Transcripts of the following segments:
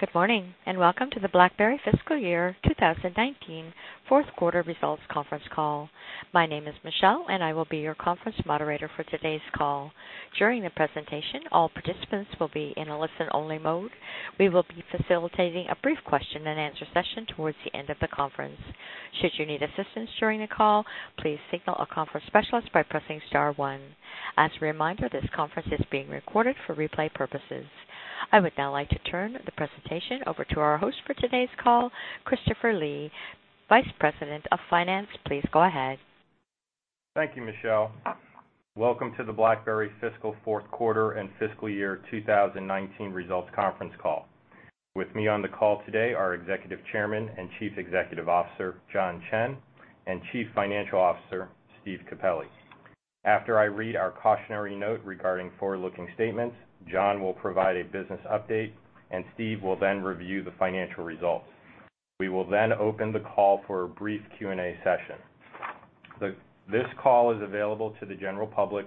Good morning, and welcome to the BlackBerry fiscal year 2019 fourth quarter results conference call. My name is Michelle, and I will be your conference moderator for today's call. During the presentation, all participants will be in a listen-only mode. We will be facilitating a brief question and answer session towards the end of the conference. Should you need assistance during the call, please signal a conference specialist by pressing star one. As a reminder, this conference is being recorded for replay purposes. I would now like to turn the presentation over to our host for today's call, Christopher Lee, Vice President, Finance. Please go ahead. Thank you, Michelle. Welcome to the BlackBerry fiscal fourth quarter and fiscal year 2019 results conference call. With me on the call today are Executive Chairman and Chief Executive Officer, John Chen, and Chief Financial Officer, Steve Capelli. After I read our cautionary note regarding forward-looking statements, John will provide a business update, Steve will then review the financial results. We will open the call for a brief Q&A session. This call is available to the general public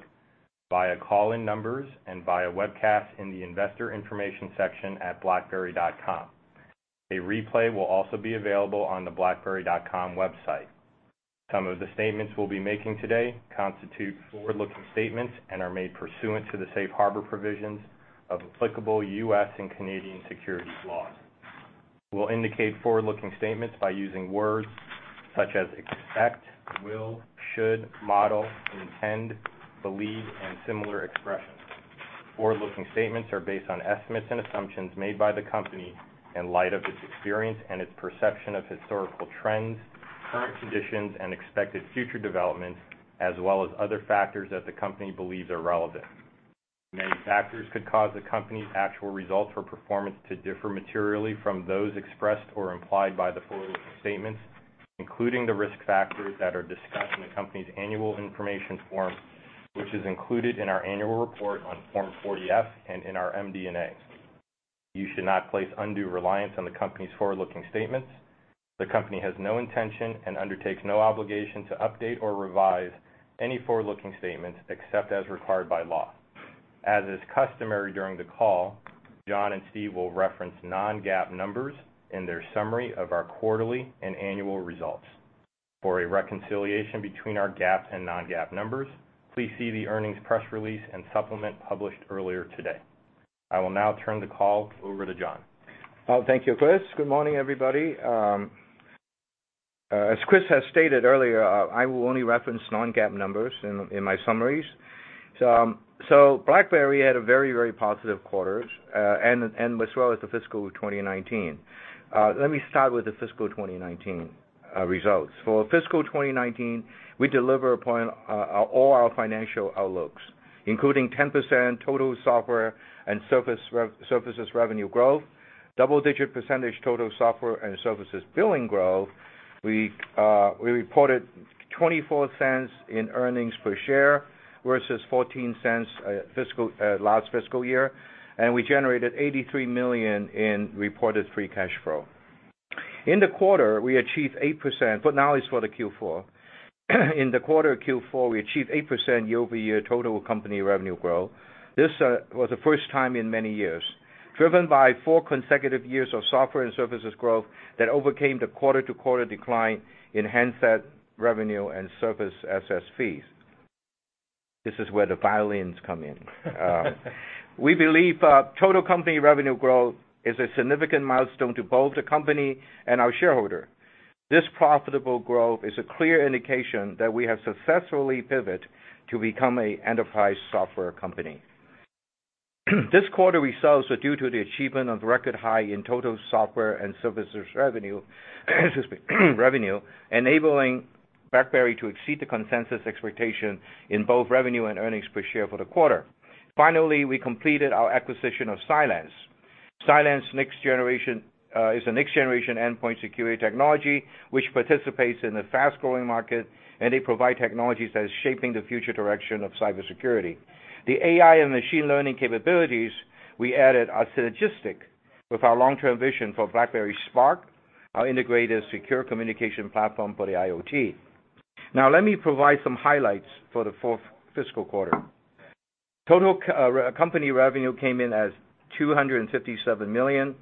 via call-in numbers and via webcast in the investor information section at blackberry.com. A replay will also be available on the blackberry.com website. Some of the statements we'll be making today constitute forward-looking statements and are made pursuant to the safe harbor provisions of applicable U.S. and Canadian securities laws. We'll indicate forward-looking statements by using words such as expect, will, should, model, intend, believe, and similar expressions. Forward-looking statements are based on estimates and assumptions made by the company in light of its experience and its perception of historical trends, current conditions, and expected future developments, as well as other factors that the company believes are relevant. Many factors could cause the company's actual results or performance to differ materially from those expressed or implied by the forward-looking statements, including the risk factors that are discussed in the company's annual information form, which is included in our annual report on Form 40-F and in our MD&A. You should not place undue reliance on the company's forward-looking statements. The company has no intention and undertakes no obligation to update or revise any forward-looking statements, except as required by law. As is customary during the call, John and Steve will reference non-GAAP numbers in their summary of our quarterly and annual results. For a reconciliation between our GAAP and non-GAAP numbers, please see the earnings press release and supplement published earlier today. I will now turn the call over to John. Thank you, Chris. Good morning, everybody. As Chris has stated earlier, I will only reference non-GAAP numbers in my summaries. BlackBerry had a very, very positive quarter and as well as the fiscal 2019. Let me start with the fiscal 2019 results. For fiscal 2019, we deliver upon all our financial outlooks, including 10% total software and services revenue growth, double-digit percentage total software and services billing growth. We reported $0.24 in earnings per share versus $0.14 last fiscal year, and we generated $83 million in reported free cash flow. In the quarter Q4, we achieved 8% year-over-year total company revenue growth. This was the first time in many years, driven by four consecutive years of software and services growth that overcame the quarter-to-quarter decline in handset revenue and service access fees. This is where the violins come in. We believe total company revenue growth is a significant milestone to both the company and its shareholder. This profitable growth is a clear indication that we have successfully pivot to become an enterprise software company. This quarter results are due to the achievement of record high in total software and services revenue, enabling BlackBerry to exceed the consensus expectation in both revenue and earnings per share for the quarter. Finally, we completed our acquisition of Cylance. Cylance is a next-generation endpoint security technology, which participates in a fast-growing market, and they provide technologies that is shaping the future direction of cybersecurity. The AI and machine learning capabilities we added are synergistic with our long-term vision for BlackBerry Spark, our integrated secure communication platform for the IoT. Let me provide some highlights for the fourth fiscal quarter. Total company revenue came in as $257 million.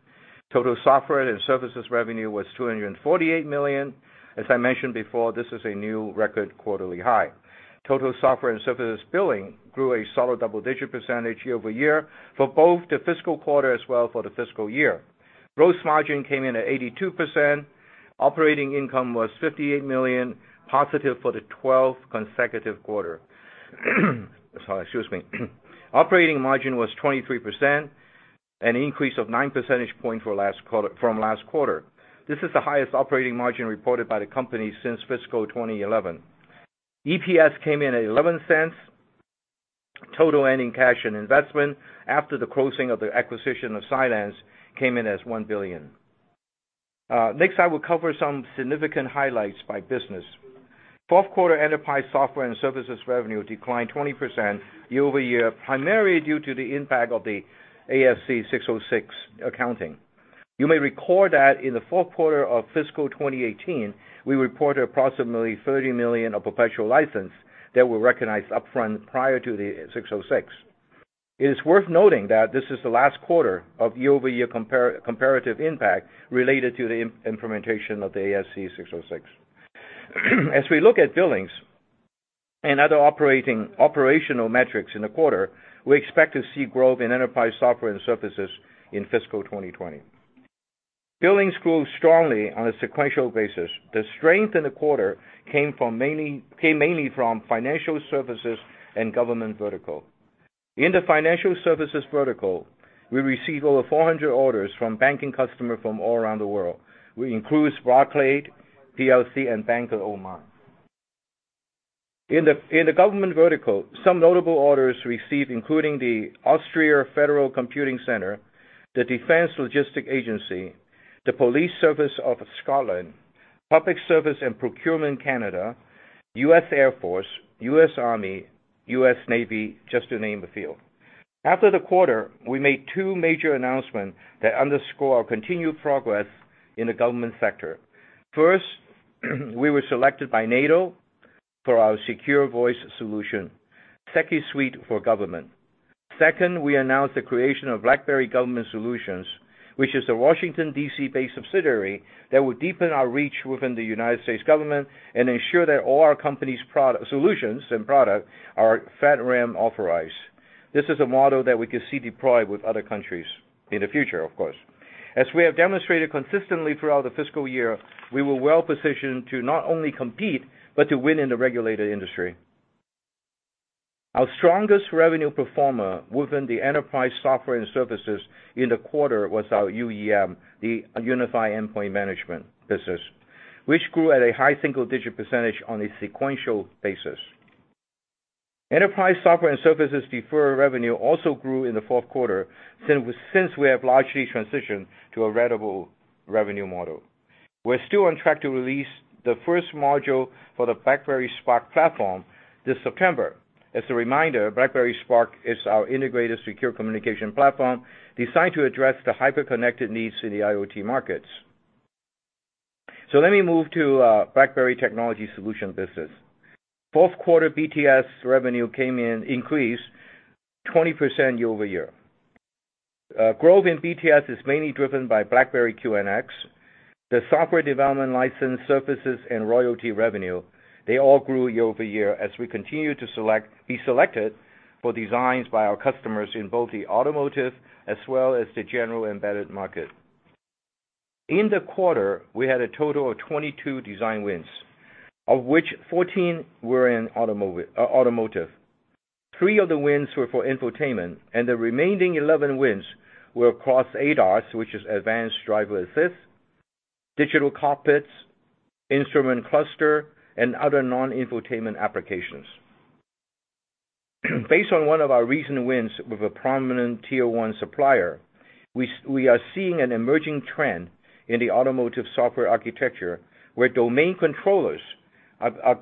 Total software and services revenue was $248 million. As I mentioned before, this is a new record quarterly high. Total software and services billing grew a solid double-digit percentage year-over-year for both the fiscal quarter as well for the fiscal year. Gross margin came in at 82%. Operating income was $58 million, positive for the 12th consecutive quarter. Sorry, excuse me. Operating margin was 23%, an increase of nine percentage points from last quarter. This is the highest operating margin reported by the company since fiscal 2011. EPS came in at $0.11. Total ending cash and investment after the closing of the acquisition of Cylance came in as $1 billion. I will cover some significant highlights by business. Fourth quarter enterprise software and services revenue declined 20% year-over-year, primarily due to the impact of the ASC 606 accounting. You may recall that in the fourth quarter of fiscal 2018, we reported approximately $30 million of perpetual license that were recognized upfront prior to the 606. It is worth noting that this is the last quarter of year-over-year comparative impact related to the implementation of the ASC 606. As we look at billings and other operational metrics in the quarter, we expect to see growth in enterprise software and services in fiscal 2020. Billings grew strongly on a sequential basis. The strength in the quarter came mainly from financial services and government vertical. In the financial services vertical, we received over 400 orders from banking customer from all around the world, which includes Barclays PLC and Bank of Oman. In the government vertical, some notable orders received including the Austrian Federal Computing Center, the Defense Logistics Agency, the Police Service of Scotland, Public Services and Procurement Canada, U.S. Air Force, U.S. Army, U.S. Navy, just to name a few. After the quarter, we made two major announcements that underscore our continued progress in the government sector. First, we were selected by NATO for our secure voice solution, SecuSUITE for government. Second, we announced the creation of BlackBerry Government Solutions, which is a Washington, D.C.-based subsidiary that will deepen our reach within the United States government and ensure that all our company's solutions and products are FedRAMP authorized. This is a model that we could see deployed with other countries in the future, of course. As we have demonstrated consistently throughout the fiscal year, we were well-positioned to not only compete, but to win in the regulated industry. Our strongest revenue performer within the enterprise software and services in the quarter was our UEM, the unified endpoint management business, which grew at a high single-digit percentage on a sequential basis. Enterprise software and services deferred revenue also grew in the fourth quarter, since we have largely transitioned to a ratable revenue model. We're still on track to release the first module for the BlackBerry Spark platform this September. As a reminder, BlackBerry Spark is our integrated secure communication platform designed to address the hyper-connected needs in the IoT markets. Let me move to BlackBerry Technology Solutions business. Fourth quarter BTS revenue came in increased 20% year-over-year. Growth in BTS is mainly driven by BlackBerry QNX, the software development license services and royalty revenue. They all grew year-over-year as we continue to be selected for designs by our customers in both the automotive as well as the general embedded market. In the quarter, we had a total of 22 design wins, of which 14 were in automotive. Three of the wins were for infotainment, and the remaining 11 wins were across ADAS, which is advanced driver assist, digital cockpits, instrument cluster, and other non-infotainment applications. Based on one of our recent wins with a prominent tier 1 supplier, we are seeing an emerging trend in the automotive software architecture where domain controllers are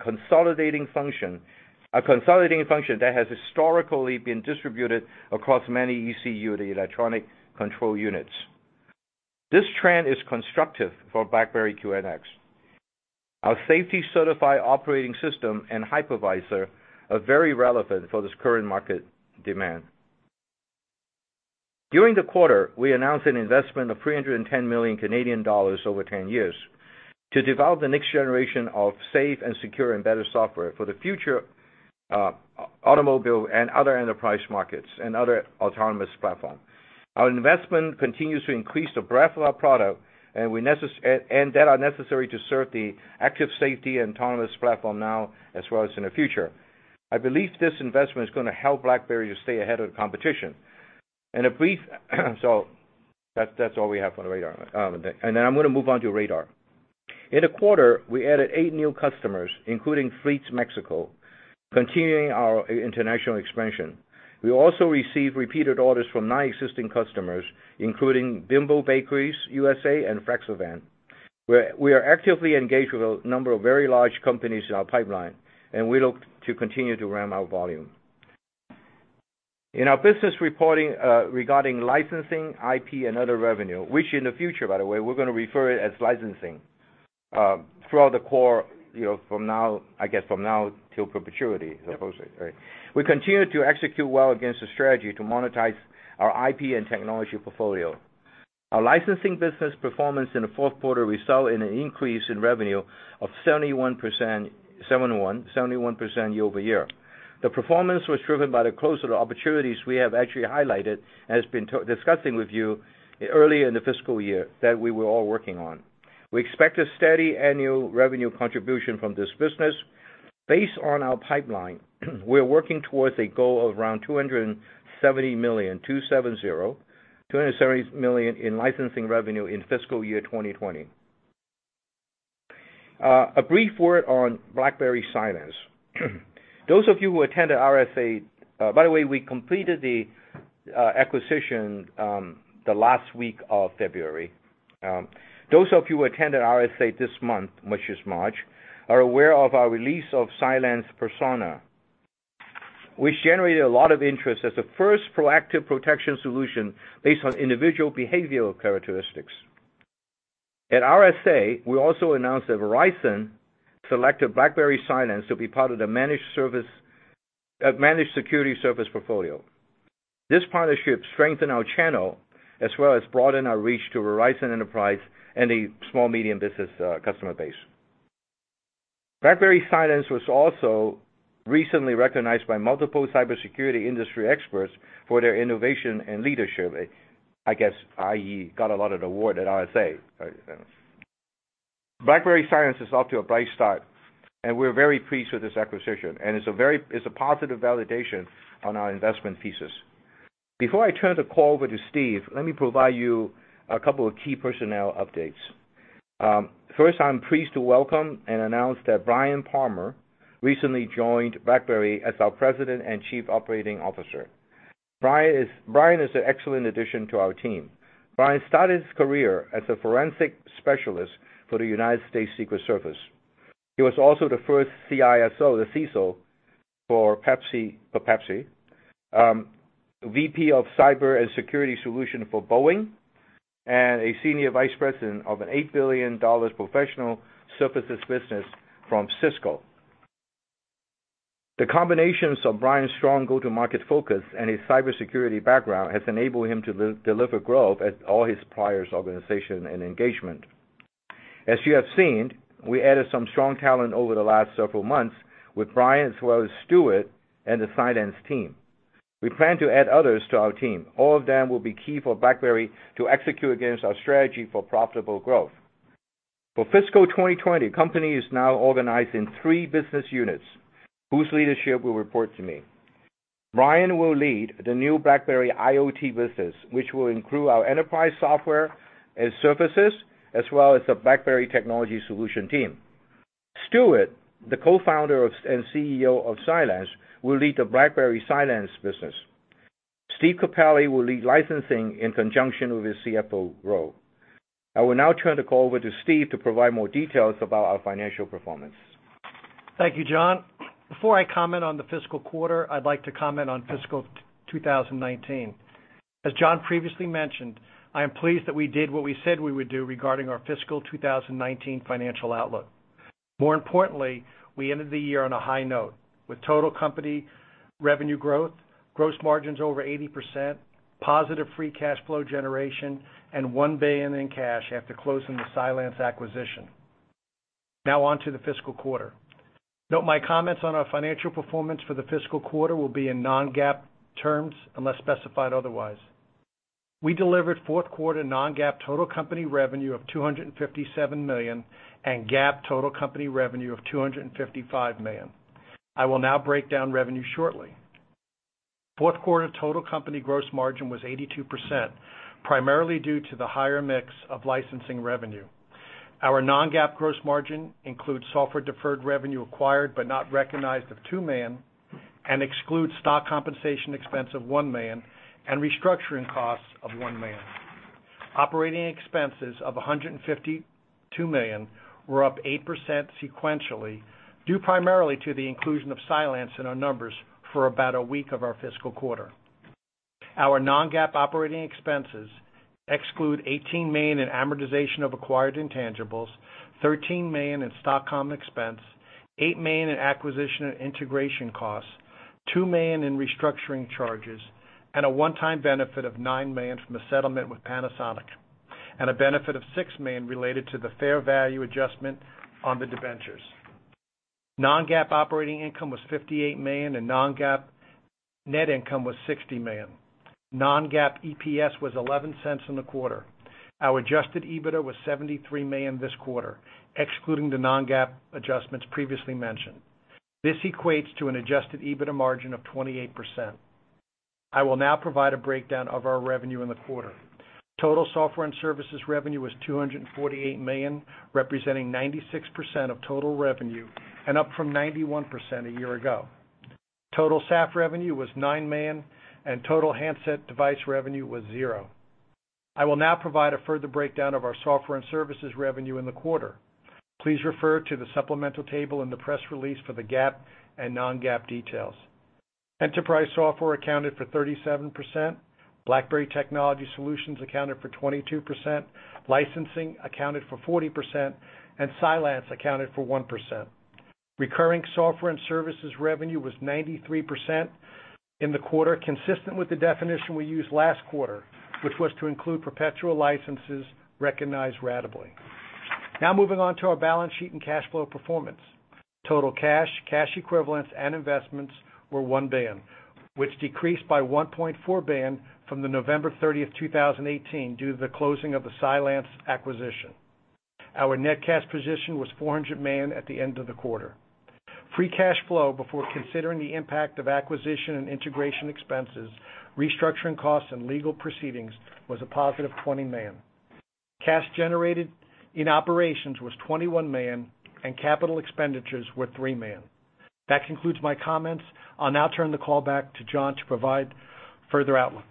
consolidating function that has historically been distributed across many ECU, the electronic control units. This trend is constructive for BlackBerry QNX. Our safety certified operating system and hypervisor are very relevant for this current market demand. During the quarter, we announced an investment of 310 million Canadian dollars over 10 years to develop the next generation of safe and secure embedded software for the future automobile and other enterprise markets and other autonomous platforms. Our investment continues to increase the breadth of our product and that are necessary to serve the active safety and autonomous platform now as well as in the future. I believe this investment is going to help BlackBerry to stay ahead of the competition. That's all we have for the Radar. I'm going to move on to Radar. In a quarter, we added eight new customers, including Fleets Mexico, continuing our international expansion. We also received repeated orders from nine existing customers, including Bimbo Bakeries USA and FlexiVan. We are actively engaged with a number of very large companies in our pipeline, and we look to continue to ramp our volume. In our business regarding licensing, IP, and other revenue, which in the future, by the way, we're going to refer to as licensing, I guess from now till perpetuity, I suppose. We continue to execute well against the strategy to monetize our IP and technology portfolio. Our licensing business performance in the fourth quarter resulted in an increase in revenue of 71% year-over-year. The performance was driven by the close of the opportunities we have actually highlighted and has been discussing with you earlier in the fiscal year that we were all working on. We expect a steady annual revenue contribution from this business. Based on our pipeline, we're working towards a goal of around $270 million in licensing revenue in FY 2020. A brief word on BlackBerry Cylance. We completed the acquisition the last week of February. Those of you who attended RSA this month, which is March, are aware of our release of CylancePERSONA, which generated a lot of interest as the first proactive protection solution based on individual behavioral characteristics. At RSA, we also announced that Verizon selected BlackBerry Cylance to be part of the managed security service portfolio. This partnership strengthened our channel, as well as broadened our reach to Verizon Enterprise and the small medium business customer base. BlackBerry Cylance was also recently recognized by multiple cybersecurity industry experts for their innovation and leadership. I guess, i.e., got a lot of the award at RSA. BlackBerry Cylance is off to a bright start, and we're very pleased with this acquisition, and it's a positive validation on our investment thesis. Before I turn the call over to Steve, let me provide you a couple of key personnel updates. First, I'm pleased to welcome and announce that Bryan Palma recently joined BlackBerry as our President and Chief Operating Officer. Bryan is an excellent addition to our team. Bryan started his career as a forensic specialist for the United States Secret Service. He was also the first CISO for PepsiCo, VP of Cyber and Security Solution for Boeing, and a senior vice president of an $8 billion professional services business from Cisco. The combinations of Bryan's strong go-to-market focus and his cybersecurity background has enabled him to deliver growth at all his prior organizations and engagements. As you have seen, we added some strong talent over the last several months with Bryan as well as Stuart and the Cylance team. We plan to add others to our team. All of them will be key for BlackBerry to execute against our strategy for profitable growth. For FY 2020, the company is now organized in three business units whose leadership will report to me. Bryan will lead the new BlackBerry IoT business, which will include our enterprise software and services, as well as the BlackBerry technology solution team. Stuart, the co-founder and CEO of Cylance, will lead the BlackBerry Cylance business. Steve Capelli will lead licensing in conjunction with his CFO role. I will now turn the call over to Steve to provide more details about our financial performance. Thank you, John. Before I comment on the fiscal quarter, I'd like to comment on fiscal 2019. As John previously mentioned, I am pleased that we did what we said we would do regarding our fiscal 2019 financial outlook. More importantly, we ended the year on a high note, with total company revenue growth, gross margins over 80%, positive free cash flow generation, and $1 billion in cash after closing the Cylance acquisition. Now on to the fiscal quarter. Note, my comments on our financial performance for the fiscal quarter will be in non-GAAP terms, unless specified otherwise. We delivered fourth quarter non-GAAP total company revenue of $257 million and GAAP total company revenue of $255 million. I will now break down revenue shortly. Fourth quarter total company gross margin was 82%, primarily due to the higher mix of licensing revenue. Our non-GAAP gross margin includes software deferred revenue acquired but not recognized of $2 million, and excludes stock compensation expense of $1 million and restructuring costs of $1 million. Operating expenses of $152 million were up 8% sequentially, due primarily to the inclusion of Cylance in our numbers for about a week of our fiscal quarter. Our non-GAAP operating expenses exclude $18 million in amortization of acquired intangibles, $13 million in stock comp expense, $8 million in acquisition and integration costs, $2 million in restructuring charges, and a one-time benefit of $9 million from a settlement with Panasonic. A benefit of $6 million related to the fair value adjustment on the debentures. Non-GAAP operating income was $58 million, and non-GAAP net income was $60 million. Non-GAAP EPS was $0.11 in the quarter. Our adjusted EBITDA was $73 million this quarter, excluding the non-GAAP adjustments previously mentioned. This equates to an adjusted EBITDA margin of 28%. I will now provide a breakdown of our revenue in the quarter. Total software and services revenue was $248 million, representing 96% of total revenue and up from 91% a year ago. Total SAF revenue was $9 million, and total handset device revenue was 0. I will now provide a further breakdown of our software and services revenue in the quarter. Please refer to the supplemental table in the press release for the GAAP and non-GAAP details. Enterprise software accounted for 37%, BlackBerry Technology Solutions accounted for 22%, licensing accounted for 40%, and Cylance accounted for 1%. Recurring software and services revenue was 93% in the quarter, consistent with the definition we used last quarter, which was to include perpetual licenses recognized ratably. Now moving on to our balance sheet and cash flow performance. Total cash equivalents, and investments were $1 billion, which decreased by $1.4 billion from November 30th, 2018, due to the closing of the Cylance acquisition. Our net cash position was $400 million at the end of the quarter. Free cash flow, before considering the impact of acquisition and integration expenses, restructuring costs, and legal proceedings, was a positive $20 million. Cash generated in operations was $21 million, and capital expenditures were $3 million. That concludes my comments. I'll now turn the call back to John to provide further outlook.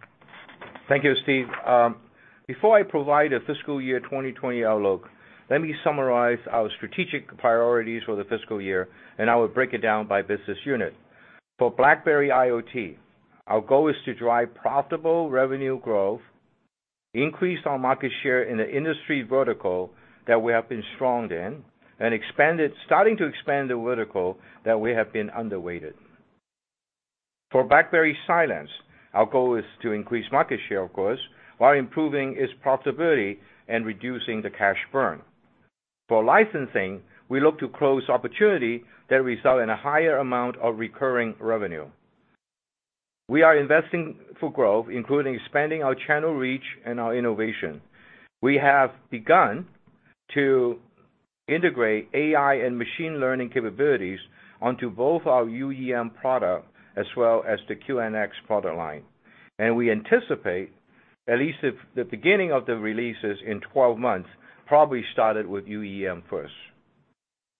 Thank you, Steve. Before I provide a fiscal year 2020 outlook, let me summarize our strategic priorities for the fiscal year. I will break it down by business unit. For BlackBerry IoT, our goal is to drive profitable revenue growth, increase our market share in the industry vertical that we have been strong in, starting to expand the vertical that we have been underweighted. For BlackBerry Cylance, our goal is to increase market share, of course, while improving its profitability and reducing the cash burn. For licensing, we look to close opportunity that result in a higher amount of recurring revenue. We are investing for growth, including expanding our channel reach and our innovation. We have begun to integrate AI and machine learning capabilities onto both our UEM product as well as the QNX product line. We anticipate at least the beginning of the releases in 12 months, probably started with UEM first.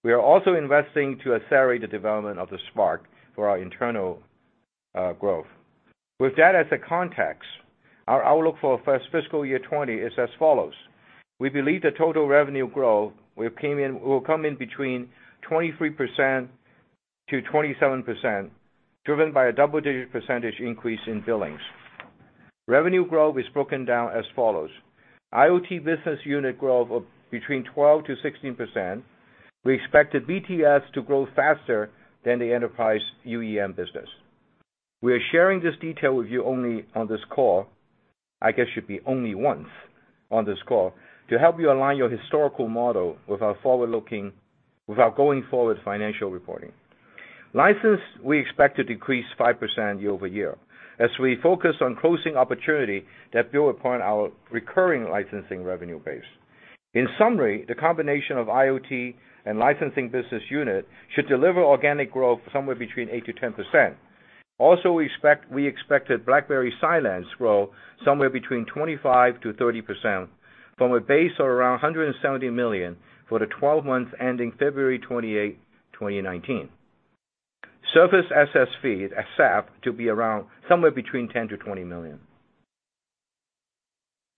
We are also investing to accelerate the development of the Spark for our internal growth. With that as a context, our outlook for first fiscal year 2020 is as follows. We believe the total revenue growth will come in between 23%-27%, driven by a double-digit percentage increase in billings. Revenue growth is broken down as follows. IoT business unit growth of between 12%-16%. We expect the BTS to grow faster than the enterprise UEM business. We are sharing this detail with you only on this call, I guess should be only once on this call, to help you align your historical model with our going-forward financial reporting. License, we expect to decrease 5% year-over-year, as we focus on closing opportunity that build upon our recurring licensing revenue base. In summary, the combination of IoT and licensing business unit should deliver organic growth somewhere between 8%-10%. We expected BlackBerry Cylance grow somewhere between 25%-30% from a base of around $170 million for the 12 months ending February 28, 2019. Service Access Fee, SAF, to be around somewhere between $10 million-$20 million.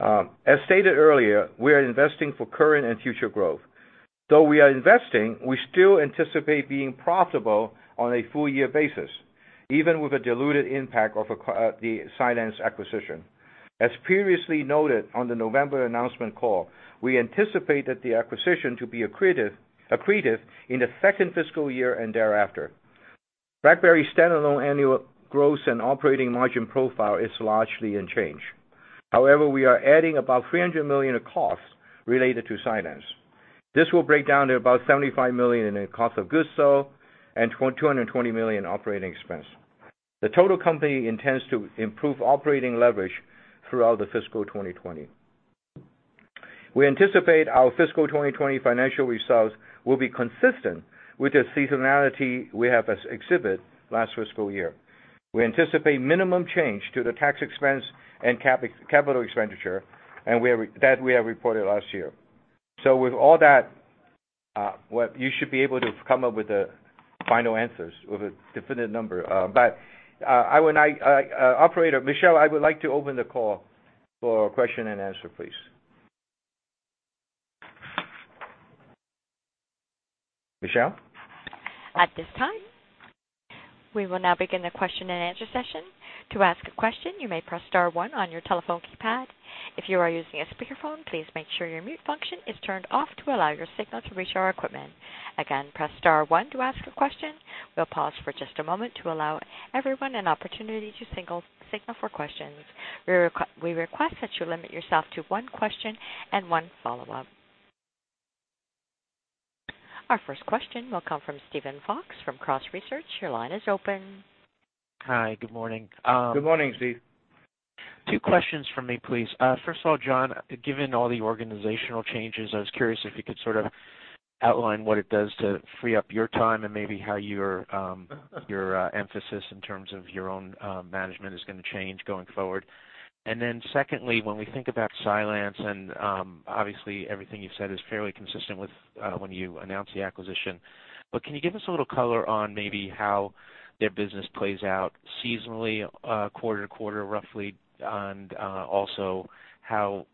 As stated earlier, we are investing for current and future growth. Though we are investing, we still anticipate being profitable on a full-year basis, even with a diluted impact of the Cylance acquisition. As previously noted on the November announcement call, we anticipated the acquisition to be accretive in the second fiscal year and thereafter. BlackBerry standalone annual growth and operating margin profile is largely unchanged. We are adding about $300 million of costs related to Cylance. This will break down to about $75 million in cost of goods sold and $220 million operating expense. The total company intends to improve operating leverage throughout the fiscal 2020. We anticipate our fiscal 2020 financial results will be consistent with the seasonality we have exhibit last fiscal year. We anticipate minimum change to the tax expense and capital expenditure that we have reported last year. With all that, you should be able to come up with the final answers with a definitive number. Operator Michelle, I would like to open the call for question and answer, please. Michelle? At this time, we will now begin the question and answer session. To ask a question, you may press star one on your telephone keypad. If you are using a speakerphone, please make sure your mute function is turned off to allow your signal to reach our equipment. Again, press star one to ask a question. We will pause for just a moment to allow everyone an opportunity to signal for questions. We request that you limit yourself to one question and one follow-up. Our first question will come from Steven Fox from Cross Research. Your line is open. Hi. Good morning. Good morning, Steve. Two questions from me, please. First of all, John, given all the organizational changes, I was curious if you could sort of outline what it does to free up your time and maybe how your emphasis in terms of your own management is going to change going forward. Secondly, when we think about Cylance, and obviously everything you've said is fairly consistent with when you announced the acquisition. Can you give us a little color on maybe how their business plays out seasonally, quarter to quarter, roughly, and also how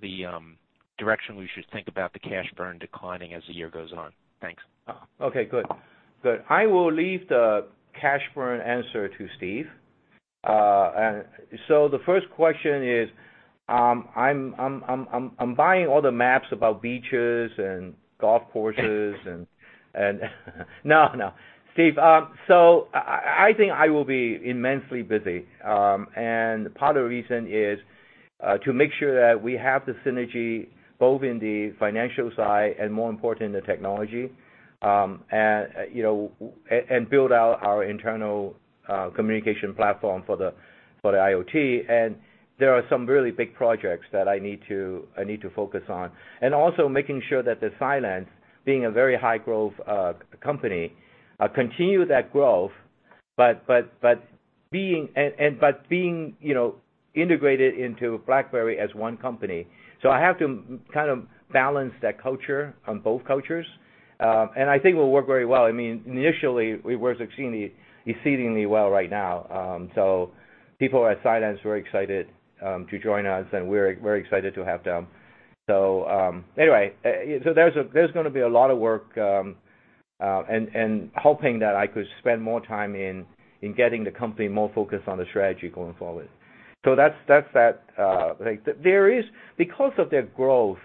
the direction we should think about the cash burn declining as the year goes on? Thanks. Okay, good. I will leave the cash burn answer to Steve. The first question is, I'm buying all the maps about beaches and golf courses and No, Steve. I think I will be immensely busy. Part of the reason is to make sure that we have the synergy both in the financial side and more important, the technology, and build out our internal communication platform for the IoT. There are some really big projects that I need to focus on. Also making sure that Cylance, being a very high growth company, continue that growth. Being integrated into BlackBerry as one company. I have to kind of balance that culture on both cultures. I think we'll work very well. Initially, we work exceedingly well right now. People at Cylance were excited to join us, and we're excited to have them. Anyway, there's going to be a lot of work, hoping that I could spend more time in getting the company more focused on the strategy going forward. That's that. Because of their growth,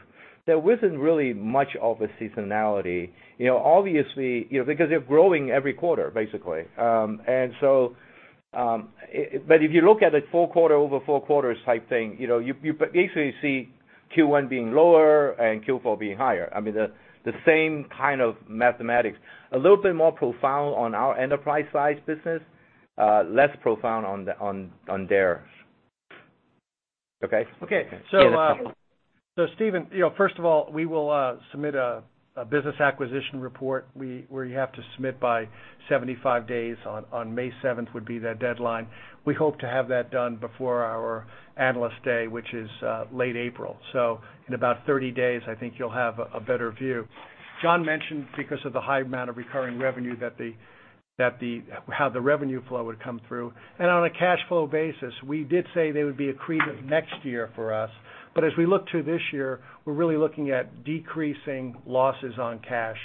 there isn't really much of a seasonality, obviously, because they're growing every quarter, basically. If you look at it full quarter over four quarters type thing, you basically see Q1 being lower and Q4 being higher. I mean, the same kind of mathematics. A little bit more profound on our enterprise side business, less profound on theirs. Okay? Okay. Yeah, that's helpful. Steven, first of all, we will submit a Business Acquisition Report, where you have to submit by 75 days. On May 7th would be that deadline. We hope to have that done before our analyst day, which is late April. In about 30 days, I think you'll have a better view. John mentioned, because of the high amount of recurring revenue, how the revenue flow would come through. On a cash flow basis, we did say there would be accretive next year for us. As we look to this year, we're really looking at decreasing losses on cash.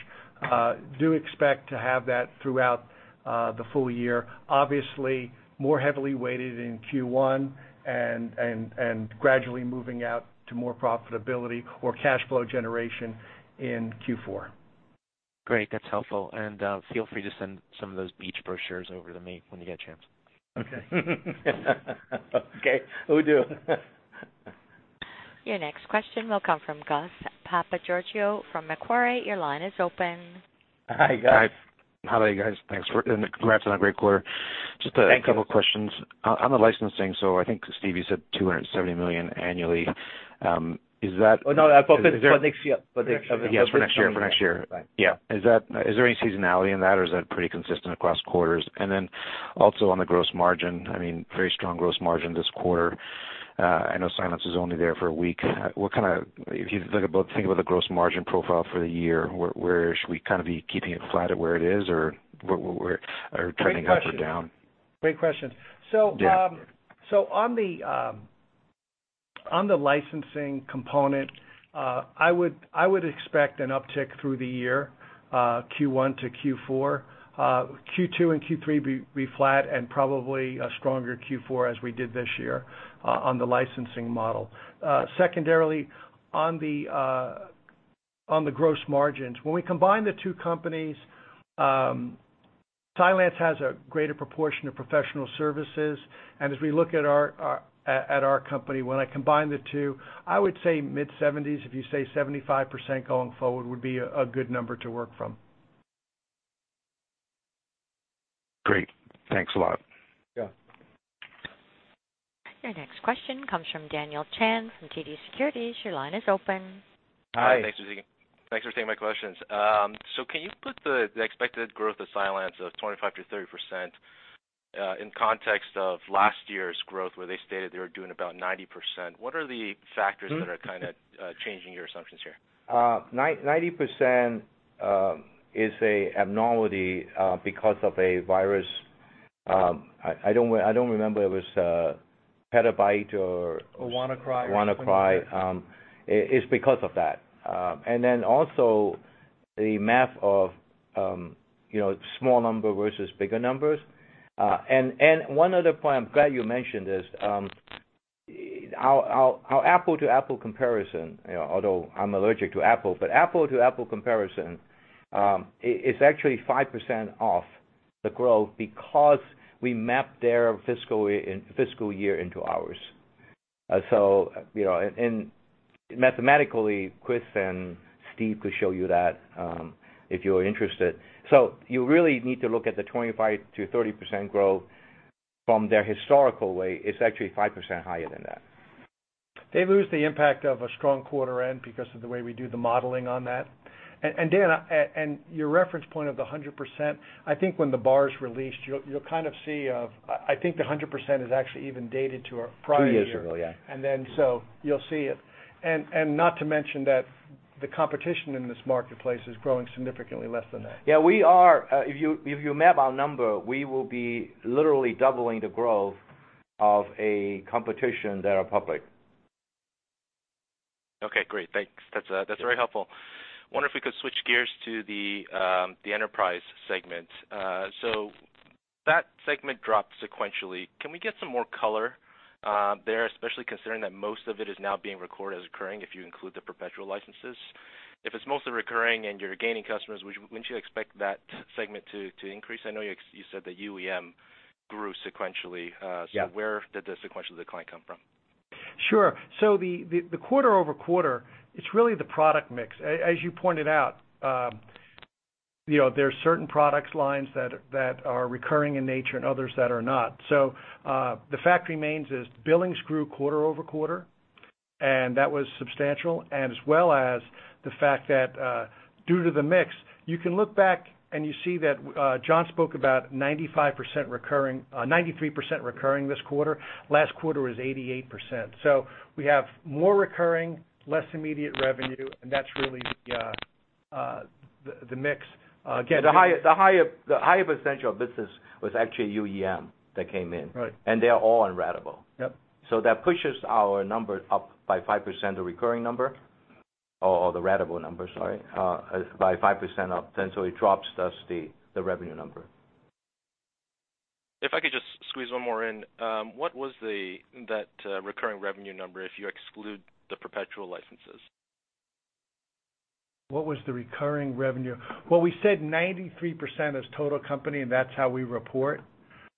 Do expect to have that throughout the full year. Obviously, more heavily weighted in Q1, and gradually moving out to more profitability or cash flow generation in Q4. Great. That's helpful, and feel free to send some of those beach brochures over to me when you get a chance. Okay. Okay. Will do. Your next question will come from Gus Papageorgiou from Macquarie. Your line is open. Hi, Gus. Hi. How are you, guys? Thanks. Congrats on a great quarter. Thank you. Just a couple questions. On the licensing, I think Steve, you said $270 million annually. Is that? No, for next year. Yes, for next year. For next year. Yeah. Is there any seasonality in that, or is that pretty consistent across quarters? Then also on the gross margin, very strong gross margin this quarter. I know Cylance was only there for a week. If you think about the gross margin profile for the year, where should we be keeping it flat at where it is, or turning up or down? Great question. Yeah. On the licensing component, I would expect an uptick through the year, Q1 to Q4. Q2 and Q3 be flat and probably a stronger Q4 as we did this year on the licensing model. Secondarily, on the gross margins, when we combine the two companies, Cylance has a greater proportion of professional services. As we look at our company, when I combine the two, I would say mid-70s, if you say 75% going forward would be a good number to work from. Great. Thanks a lot. Yeah. Your next question comes from Daniel Chan from TD Securities. Your line is open. Hi. Hi. Thanks for taking my questions. Can you put the expected growth of Cylance of 25%-30% in context of last year's growth, where they stated they were doing about 90%? What are the factors that are kind of changing your assumptions here? 90% is a abnormality because of a virus. I don't remember it was NotPetya or. WannaCry or something like that. WannaCry. It's because of that. Also the math of small number versus bigger numbers. One other point, I'm glad you mentioned this. Our apple-to-apple comparison, although I'm allergic to apple-to-apple comparison is actually 5% off the growth because we mapped their fiscal year into ours. Mathematically, Chris and Steve could show you that if you're interested. You really need to look at the 25%-30% growth from their historical way. It's actually 5% higher than that. They lose the impact of a strong quarter end because of the way we do the modeling on that. Dan, your reference point of the 100%, I think when the BAR is released, you'll kind of see, I think the 100% is actually even dated to our prior year. Two years ago, yeah. You'll see it. Not to mention that the competition in this marketplace is growing significantly less than that. If you map our number, we will be literally doubling the growth of a competition that are public. Okay, great. Thanks. That's very helpful. Wonder if we could switch gears to the enterprise segment. That segment dropped sequentially. Can we get some more color there, especially considering that most of it is now being recorded as recurring if you include the perpetual licenses? If it's mostly recurring and you're gaining customers, wouldn't you expect that segment to increase? I know you said the UEM grew sequentially. Yeah. Where did the sequential decline come from? Sure. The quarter-over-quarter, it's really the product mix. As you pointed out, there are certain products lines that are recurring in nature and others that are not. The fact remains is billings grew quarter-over-quarter. That was substantial, and as well as the fact that due to the mix, you can look back and you see that John spoke about 93% recurring this quarter. Last quarter was 88%. We have more recurring, less immediate revenue, and that's really the mix. The high percentage of business was actually UEM that came in. Right. They are all unratable. Yep. That pushes our number up by 5%, the recurring number, or the ratable number, sorry, by 5% up, then so it drops, thus, the revenue number. If I could just squeeze one more in. What was that recurring revenue number, if you exclude the perpetual licenses? What was the recurring revenue? Well, we said 93% as total company, and that's how we report.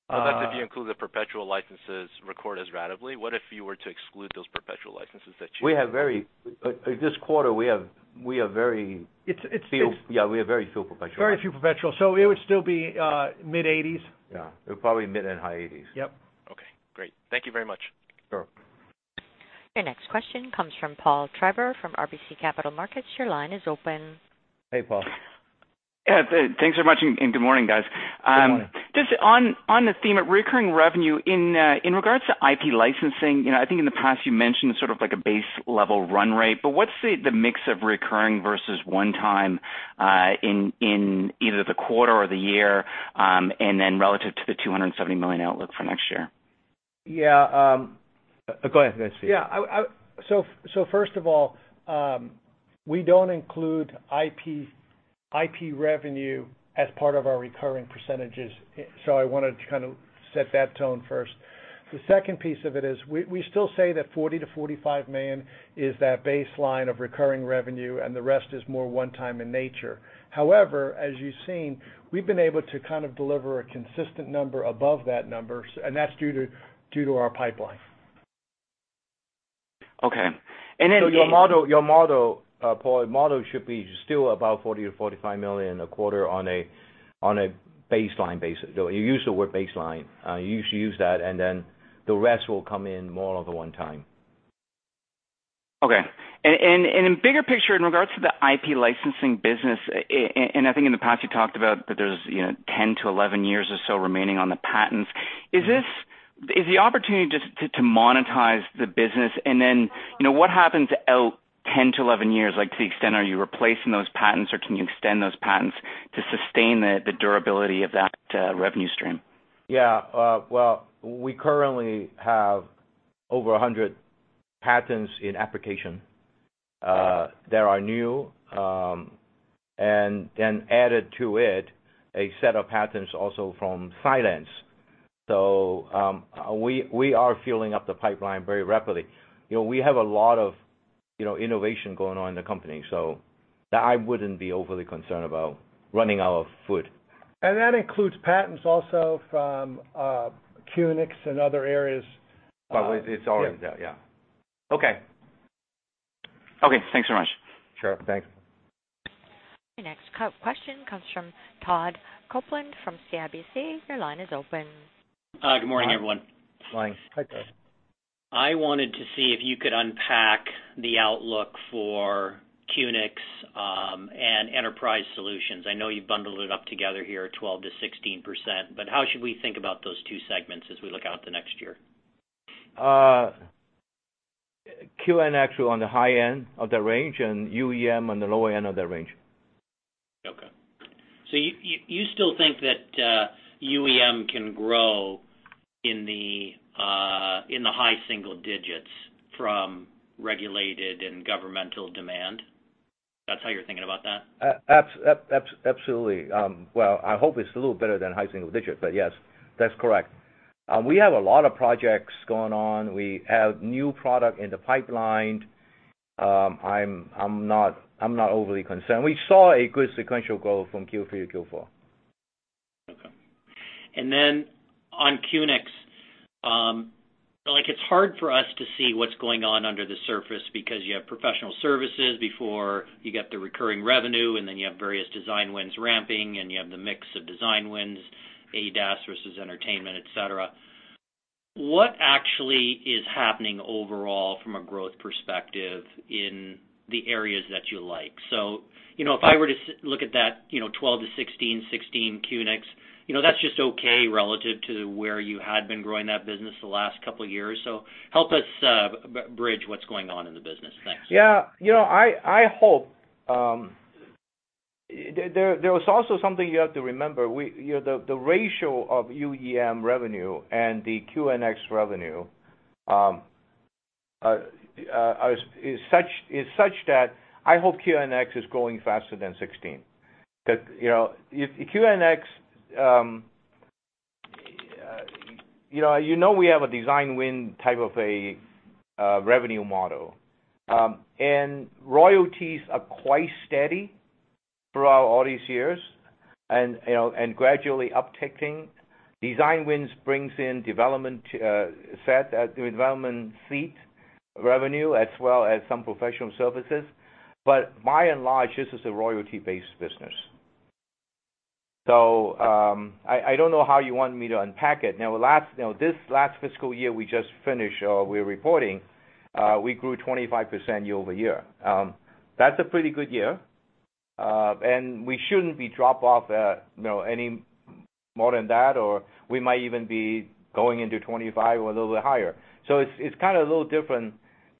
Well, that's if you include the perpetual licenses recorded as ratably. What if you were to exclude those perpetual licenses that you This quarter, we are very It's- Yeah, we are very few perpetual. Very few perpetual. It would still be mid-80s. Yeah. It would probably mid and high 80s. Yep. Okay, great. Thank you very much. Sure. Your next question comes from Paul Treiber from RBC Capital Markets. Your line is open. Hey, Paul. Yeah, thanks so much, good morning, guys. Good morning. Just on the theme of recurring revenue, in regards to IP licensing, I think in the past you mentioned sort of like a base level run rate, what's the mix of recurring versus one time in either the quarter or the year, then relative to the 270 million outlook for next year? Yeah. Go ahead, Steve. Yeah. First of all, we don't include IP revenue as part of our recurring %. I wanted to kind of set that tone first. The second piece of it is we still say that $40 million-$45 million is that baseline of recurring revenue, and the rest is more one time in nature. However, as you've seen, we've been able to kind of deliver a consistent number above that number, and that's due to our pipeline. Okay. Your model, Paul, should be still about $40 million-$45 million a quarter on a baseline basis. You use the word baseline. You use that, the rest will come in more of the one time. Okay. In bigger picture, in regards to the IP licensing business, and I think in the past you talked about that there's 10-11 years or so remaining on the patents. Is the opportunity just to monetize the business, and then what happens out 10-11 years, like to the extent are you replacing those patents or can you extend those patents to sustain the durability of that revenue stream? Yeah. Well, we currently have over 100 patents in application. Okay. There are new, and then added to it, a set of patents also from Cylance. We are filling up the pipeline very rapidly. We have a lot of innovation going on in the company. I wouldn't be overly concerned about running out of food. That includes patents also from QNX and other areas. It's all in there, yeah. Okay. Okay, thanks so much. Sure, thanks. Your next question comes from Todd Coupland from CIBC. Your line is open. Good morning, everyone. Morning. Hi, Todd. I wanted to see if you could unpack the outlook for QNX and Enterprise Solutions. I know you've bundled it up together here at 12%-16%, but how should we think about those two segments as we look out the next year? QNX actually on the high end of the range and UEM on the lower end of the range. Okay. You still think that UEM can grow in the high single digits from regulated and governmental demand? That's how you're thinking about that? Absolutely. Well, I hope it's a little better than high single digits, but yes, that's correct. We have a lot of projects going on. We have new product in the pipeline. I'm not overly concerned. We saw a good sequential growth from Q3 to Q4. Okay. On QNX, it's hard for us to see what's going on under the surface because you have professional services before you get the recurring revenue, you have various design wins ramping, and you have the mix of design wins, ADAS versus entertainment, et cetera. What actually is happening overall from a growth perspective in the areas that you like? If I were to look at that 12%-16% QNX, that's just okay relative to where you had been growing that business the last couple of years. Help us bridge what's going on in the business. Thanks. Yeah. There was also something you have to remember. The ratio of UEM revenue and the QNX revenue is such that I hope QNX is growing faster than 16%. You know we have a design win type of a revenue model. Royalties are quite steady throughout all these years and gradually upticking. Design wins brings in development set, development seat revenue, as well as some professional services. By and large, this is a royalty-based business. I don't know how you want me to unpack it. Now, this last fiscal year we just finished, we're reporting, we grew 25% year-over-year. That's a pretty good year. We shouldn't be drop off at any more than that, or we might even be going into 25% or a little bit higher. It's kind of a little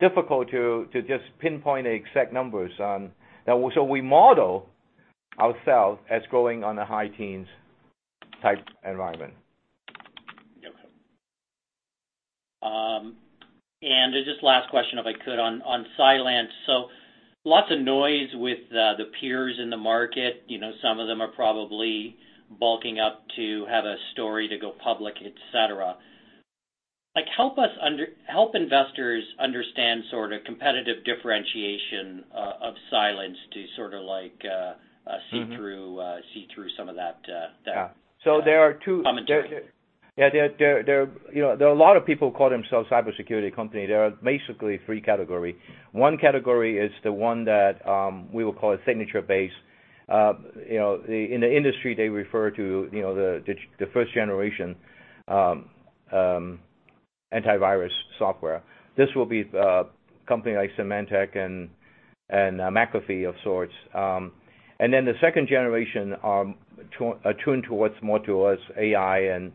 difficult to just pinpoint the exact numbers on. We model ourselves as growing on the high teens type environment. Okay. Just last question, if I could, on Cylance. Lots of noise with the peers in the market. Some of them are probably bulking up to have a story to go public, et cetera. Help investors understand sort of competitive differentiation of Cylance to sort of see through some of that. Yeah commentary. Yeah. There are a lot of people who call themselves cybersecurity company. There are basically 3 category. One category is the one that we will call a signature base. In the industry, they refer to the first generation antivirus software. This will be company like Symantec and McAfee of sorts. The second generation are tuned towards more towards AI and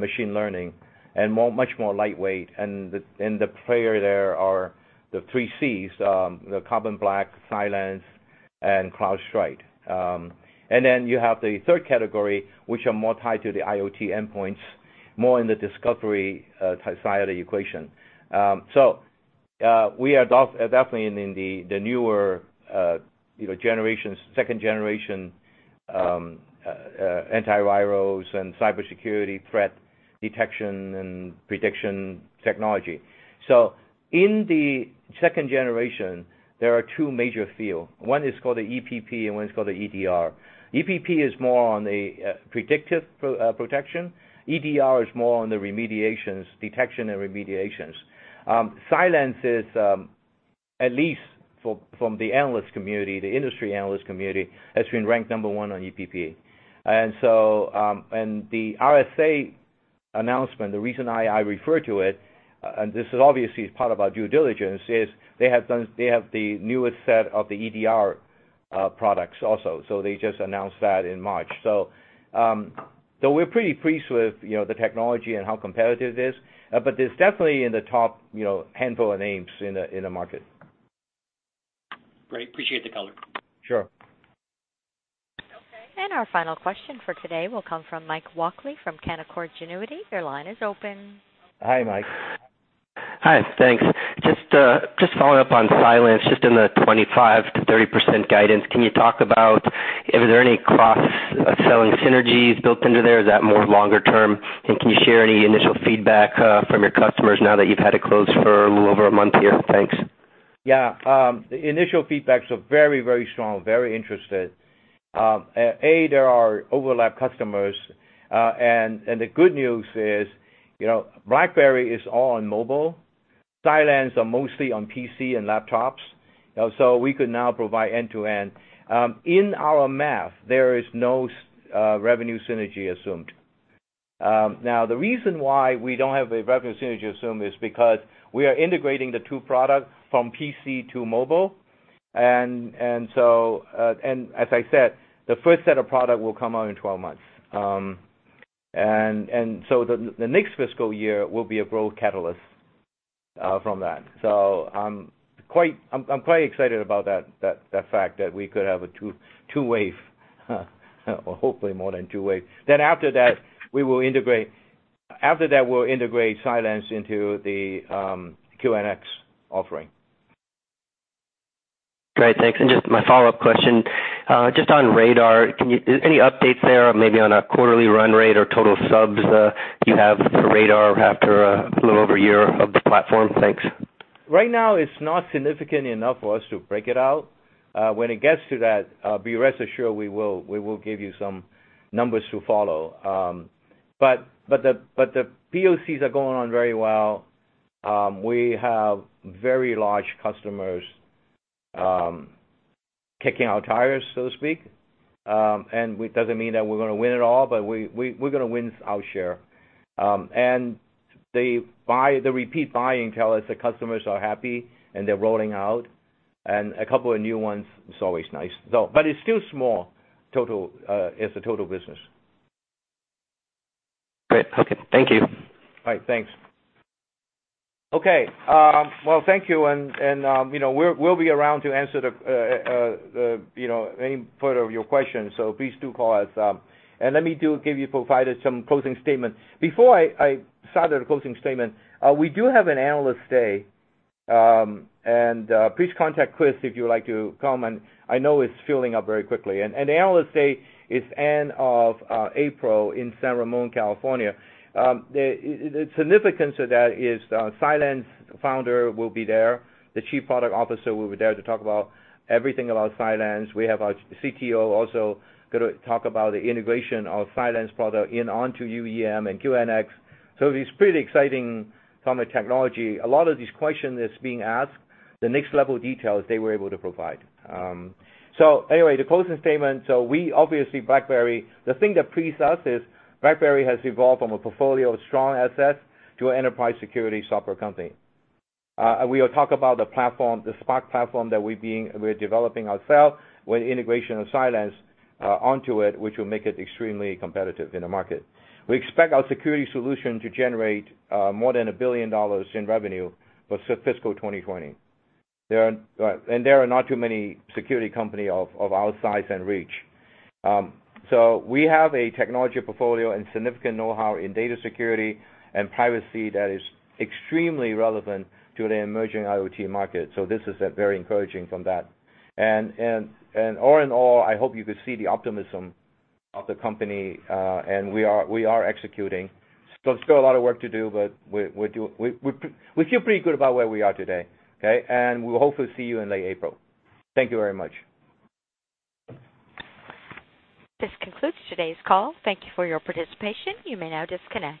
machine learning and much more lightweight. The player there are the three Cs, the Carbon Black, Cylance, and CrowdStrike. You have the third category, which are more tied to the IoT endpoints, more in the discovery side of the equation. We are definitely in the newer generation, second generation antivirals and cybersecurity threat detection and prediction technology. In the second generation, there are two major field. One is called the EPP and one is called the EDR. EPP is more on a predictive protection. EDR is more on the remediations, detection and remediations. Cylance is, at least from the analyst community, the industry analyst community, has been ranked number 1 on EPP. The RSA announcement, the reason I refer to it, and this is obviously is part of our due diligence, is they have the newest set of the EDR products also. They just announced that in March. We're pretty pleased with the technology and how competitive it is. It's definitely in the top handful of names in the market. Great. Appreciate the color. Sure. Okay, our final question for today will come from Mike Walkley from Canaccord Genuity. Your line is open. Hi, Mike. Hi. Thanks. Just following up on Cylance, just in the 25%-30% guidance, can you talk about if there are any cross-selling synergies built into there? Is that more longer term? Can you share any initial feedback from your customers now that you've had it closed for a little over a month here? Thanks. Initial feedback is very, very strong, very interested. A, there are overlap customers. The good news is BlackBerry is all on mobile. Cylance is mostly on PC and laptops. We could now provide end-to-end. In our math, there is no revenue synergy assumed. Now, the reason why we don't have a revenue synergy assumed is because we are integrating the two products from PC to mobile. As I said, the first set of product will come out in 12 months. The next fiscal year will be a growth catalyst from that. I'm quite excited about that fact that we could have a two-wave, or hopefully more than two-wave. After that, we'll integrate Cylance into the QNX offering. Great. Thanks. Just my follow-up question, just on Radar. Any updates there, maybe on a quarterly run rate or total subs you have for Radar after a little over a year of the platform? Thanks. Right now, it's not significant enough for us to break it out. When it gets to that, be rest assured we will give you some numbers to follow. The POCs are going on very well. We have very large customers kicking our tires, so to speak. It doesn't mean that we're going to win it all, but we're going to win our share. The repeat buying tell us the customers are happy, and they're rolling out. A couple of new ones is always nice. It's still small as a total business. Great. Okay. Thank you. All right. Thanks. Okay. Well, thank you. We'll be around to answer any further of your questions, so please do call us. Let me do provide some closing statement. Before I start the closing statement, we do have an Analyst Day, please contact Chris if you would like to come. I know it's filling up very quickly. The Analyst Day is end of April in San Ramon, California. The significance of that is Cylance founder will be there. The chief product officer will be there to talk about everything about Cylance. We have our CTO also going to talk about the integration of Cylance product in onto UEM and QNX. It's pretty exciting from a technology. A lot of these question that's being asked, the next level of details they were able to provide. Anyway, the closing statement. We, obviously BlackBerry, the thing that pleased us is BlackBerry has evolved from a portfolio of strong assets to an enterprise security software company. We'll talk about the platform, the Spark platform that we're developing ourself with integration of Cylance onto it, which will make it extremely competitive in the market. We expect our security solution to generate more than $1 billion in revenue for FY 2020. There are not too many security company of our size and reach. We have a technology portfolio and significant know-how in data security and privacy that is extremely relevant to the emerging IoT market. This is very encouraging from that. All in all, I hope you could see the optimism of the company, we are executing. Still a lot of work to do, but we feel pretty good about where we are today, okay? We'll hopefully see you in late April. Thank you very much. This concludes today's call. Thank you for your participation. You may now disconnect.